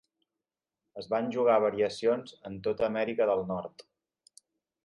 Es van jugar variacions en tota Amèrica del Nord.